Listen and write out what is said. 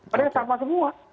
padahal sama semua